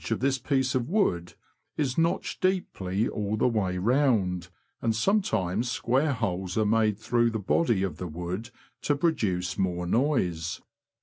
of this piece of wood is notched deeply all the way round, and sometimes square holes are made through the body of the wood, to produce more noise.